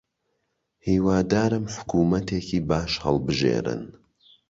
هیوادارم حکوومەتێکی باش هەڵبژێرن.